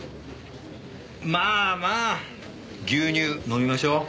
まあまあ牛乳飲みましょう。